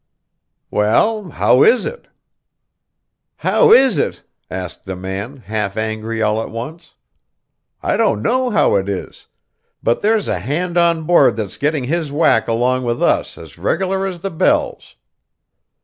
"Well, how is it?" "How is it?" asked the man, half angry all at once. "I don't know how it is, but there's a hand on board that's getting his whack along with us as regular as the bells."